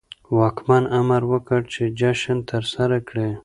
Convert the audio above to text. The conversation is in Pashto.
واکمن امر وکړ چې جشن ترسره کړي.